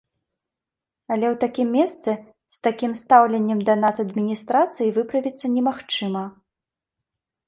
Але ў такім месцы, з такім стаўленнем да нас адміністрацыі выправіцца немагчыма.